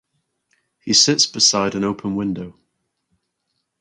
He sits beside an open window.